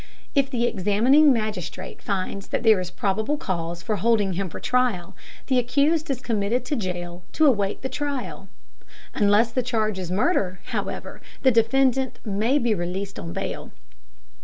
If the examining magistrate finds that there is probable cause for holding him for trial, the accused is committed to jail to await trial. Unless the charge is murder, however, the defendant may be released on bail.